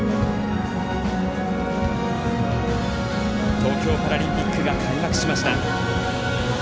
東京パラリンピックが開幕しました。